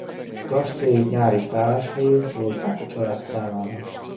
A kastély nyári szálláshelyül szolgált a család számára.